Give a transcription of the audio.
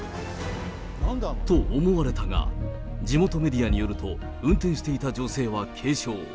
と思われたが、地元メディアによると、運転していた女性は軽傷。